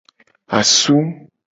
Asu.